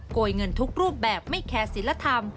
ยเงินทุกรูปแบบไม่แคร์ศิลธรรม